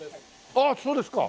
ああっそうですか。